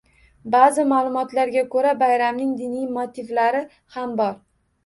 Baʼzi maʼlumotlarga koʻra, bayramning diniy motivlari ham bor